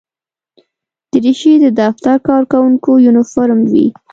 دریشي د دفتر کارکوونکو یونیفورم وي.